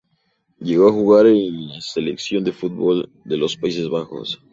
Llegó a jugar en la selección de fútbol de los Países Bajos.